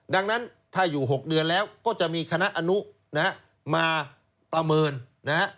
ดังนั้นถ้าอยู่๖เดือนแล้วก็จะมีคณะอนุนะฮะมาประเมินนะฮะ